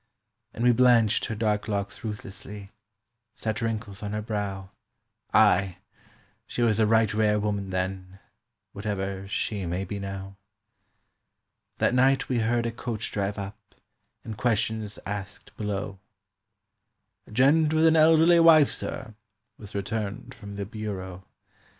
And we blanched her dark locks ruthlessly: set wrinkles on her brow; Ay—she was a right rare woman then, whatever she may be now. That night we heard a coach drive up, and questions asked below. "A gent with an elderly wife, sir," was returned from the bureau.